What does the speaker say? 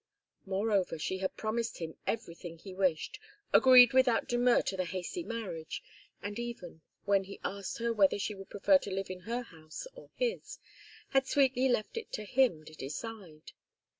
Moreover, she had promised him everything he wished, agreed without demur to the hasty marriage, and even, when he asked her whether she would prefer to live in her house or his, had sweetly left it to him to decide.